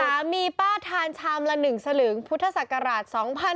สามีป้าทานชามละ๑สลึงพุทธศักราช๒๕๖๒